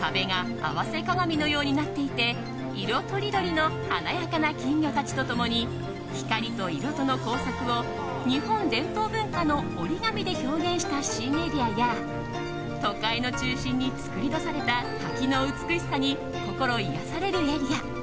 壁が合わせ鏡のようになっていて色とりどりの華やかな金魚たちと共に光と色との交錯を日本伝統文化の折り紙で表現した新エリアや都会の中心に作り出された滝の美しさに心癒やされるエリア。